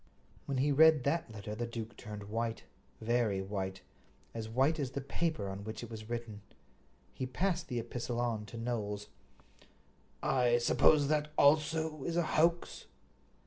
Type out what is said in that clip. When he read that letter the duke turned white—very white, as white as the paper on which it was written. He passed the epistle on to Knowles. "I suppose that also is a hoax?"